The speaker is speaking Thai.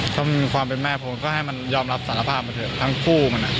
ถ้ามีความเป็นแม่ผมก็ให้มันยอมรับสารภาพมาเถอะทั้งคู่มัน